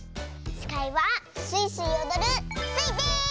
しかいはスイスイおどるスイです！